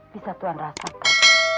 bisa tuhan rasakan